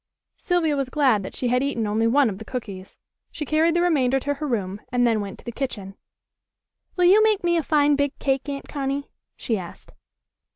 Sylvia was glad that she had eaten only one of the cookies. She carried the remainder to her room and then went to the kitchen. "Will you make me a fine big cake, Aunt Connie?" she asked.